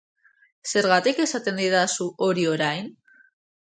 Zergatik esaten didazu hori orain?